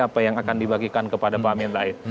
apa yang akan dibagikan kepada pak amin rais